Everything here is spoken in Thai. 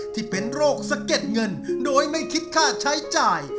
ที่เป็นโรคสะเก็ดเงินโดยไม่คิดค่าใช้จ่าย